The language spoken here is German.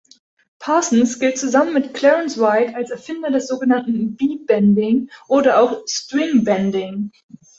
Parsons gilt zusammen mit Clarence White als Erfinder des sogenannten B-Bending oder auch "String-Bending".